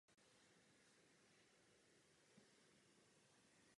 Obyvatelstvo kibucu Nir David je sekulární.